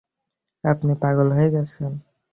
আপনি পাগল হয়ে গেছেন?